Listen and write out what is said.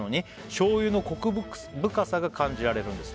「醤油のコク深さが感じられるんです」